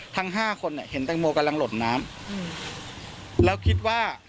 ทั้งห้าคนเนี่ยเห็นแตงโมกำลังหล่นน้ำอืมแล้วคิดว่า